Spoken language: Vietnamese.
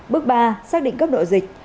bước ba xác định cấp độ dịch